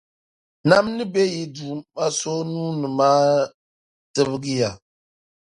Nam ni be Duuma so nuu ni maa tibigi ya